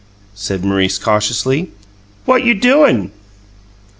said Maurice cautiously. "What you doin'?"